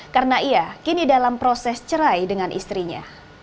karena ia kini dalam proses cerai dengan istrinya